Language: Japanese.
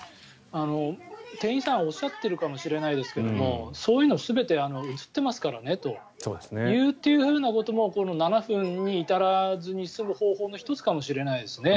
店員さんおっしゃっているかもしれないですがそういうのは全て映っていますからねっていうふうなこともこの７分に至らずに済む方法の１つかもしれないですね。